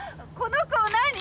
この子何？